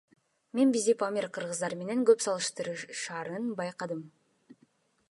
Мен бизди Памир кыргыздары менен көп салыштырышаарын байкадым.